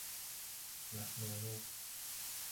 مهنامه